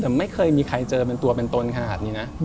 แต่ไม่เคยมีใครเจอเป็นตัวเป็นตนขนาดนี้นะ